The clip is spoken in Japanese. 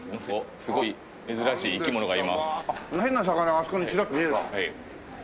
すごい珍しい生き物がいます。